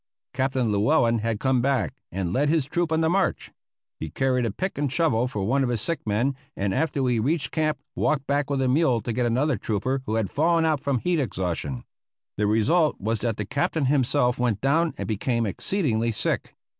Captain Llewellen had come back, and led his troop on the march. He carried a pick and shovel for one of his sick men, and after we reached camp walked back with a mule to get another trooper who had fallen out from heat exhaustion. The result was that the captain himself went down and became exceedingly sick.